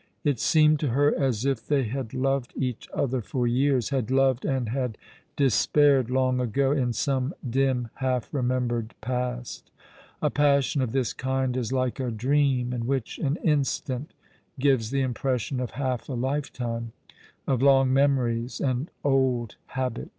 It seemed to her as if they had loved each other for years — had loved and had despaired long ago, in some dim half remembered past. A passion of this kind is like a dream, in which an instant gives the impression of half a lifetime, of long memories and old habit.